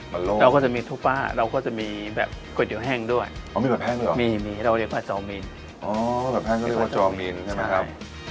โลกเราก็จะมีทูป้าเราก็จะมีแบบก๋วยเตี๋แห้งด้วยอ๋อมีแบบแห้งด้วยเหรอมีมีเราเรียกว่าซอมีนอ๋อแบบแห้งก็เรียกว่าจอมีนใช่ไหมครับ